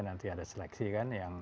nanti ada seleksi kan yang